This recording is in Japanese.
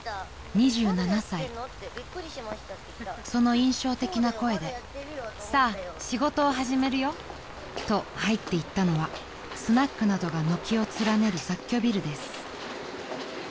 ［その印象的な声で「さあ仕事を始めるよ」と入っていったのはスナックなどが軒を連ねる雑居ビルです］